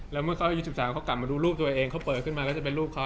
แล้วเมื่อเขาอายุ๑๓เขากลับมาดูรูปตัวเองเขาเปิดขึ้นมาก็จะเป็นรูปเขา